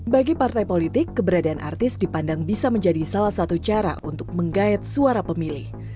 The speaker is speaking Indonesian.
bagi partai politik keberadaan artis dipandang bisa menjadi salah satu cara untuk menggayat suara pemilih